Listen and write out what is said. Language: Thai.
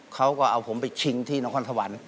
เขาก็เอาผมไปชิงที่นครสวรรค์